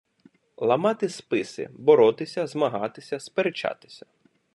Ламати списи — боротися, змагатися, сперечатися